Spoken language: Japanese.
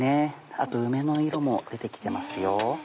あと梅の色も出て来てますよ。